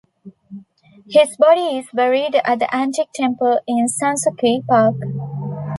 His body is buried at the Antique Temple in Sanssouci Park.